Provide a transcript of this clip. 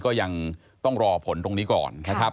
ก็ยังต้องรอผลตรงนี้ก่อน